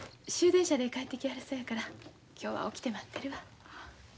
終電車で帰ってきはるそうやから今日は起きて待ってるわ。